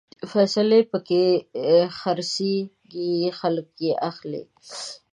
فیصلې پکې خرڅېږي، خلک يې اخلي